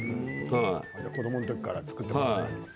子どもの時から作ってもらっていて？